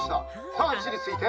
さあいちについて。